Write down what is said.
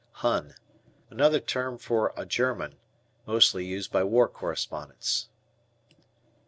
Hun. Another term for a German, mostly used by war correspondents.